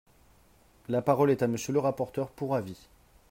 La parole est à Monsieur le rapporteur pour avis.